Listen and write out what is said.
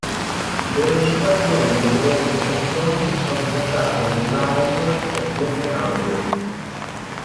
Le registrazioni delle loro prestazioni sono riportate nel Live at Wacken album.